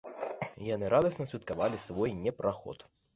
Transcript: Яны радасна святкавалі свой непраход.